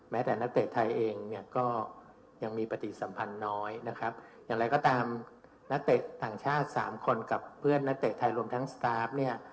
แต่นักเตะไทยเองเนี่ยก็ยังมีปฏิสัมพันธ์น้อยนะครับอย่างไรก็ตามนักเตะต่างชาติสามคนกับเพื่อนนักเตะไทยรวมทั้งสตาร์ฟเนี่ย